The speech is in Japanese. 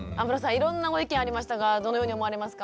いろんなご意見ありましたがどのように思われますか？